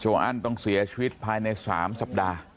อันต้องเสียชีวิตภายใน๓สัปดาห์